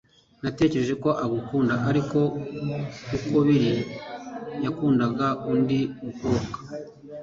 Natekereje ko agukunda, ariko uko biri, yakundaga undi mukobwa.